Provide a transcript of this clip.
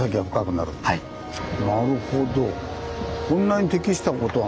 なるほど。